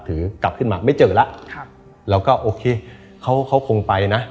ถือกลับขึ้นมาไม่เจอแล้วแล้วก็โอเคเขาคงไปนะ